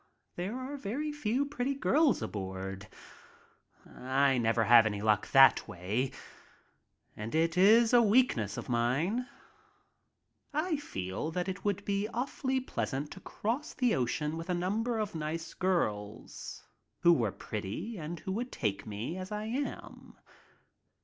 There are very few pretty girls aboard. I never have any luck that way. And it is a weakness of mine. I feel that it would be awfully pleasant to cross the ocean with a number of nice girls who were pretty and who would take me as I am.